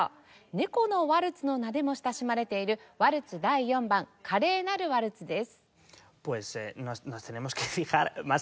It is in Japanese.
「猫のワルツ」の名でも親しまれている『ワルツ第４番華麗なるワルツ』です。